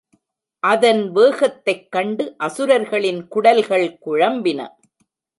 அதன் வேகத்தைக் கண்டு அசுரர்களின் குடல்கள் குழம்பின.